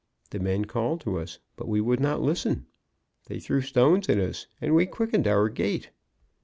The men called to us, but we would not listen. They threw stones at us, and we quickened our gait.